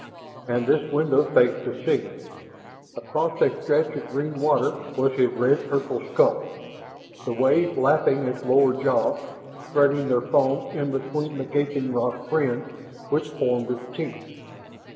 And this window faced the sea. Across a stretch of green water was his red purple skull, the waves lapping its lower jaw, spreading their foam in between the gaping rock fringe which formed its teeth.